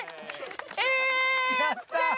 えやったよ。